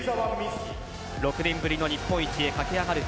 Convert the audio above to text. ６年ぶりの日本一へ駆け上がるか